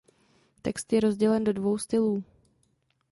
Text je rozdělen do dvou stylů.